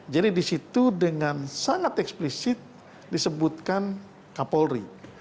jadi di situ dengan sangat eksplisit disebutkan kapolri